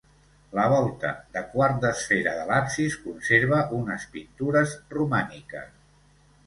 La volta de quart d'esfera de l'absis conserva unes pintures romàniques.